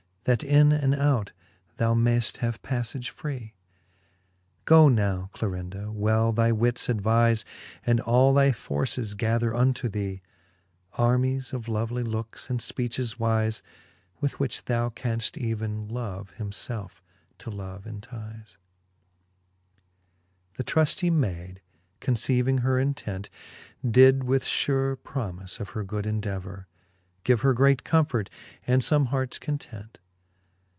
That in and out thou mayfl have pafTage free, Goe now, Clarinda, well thy wits advife, And all thy forces gather unto thee j Armies of lovely lookes^ and fpeeches wife. With which thou canft even yove himfelfe to love entife. XXXV. The truftie mayd, conceiving her intent. Did with fure promife of her good indevour Give her great comfort, and fome harts content.